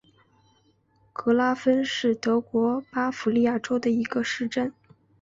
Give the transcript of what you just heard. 格拉芬是德国巴伐利亚州的一个市镇。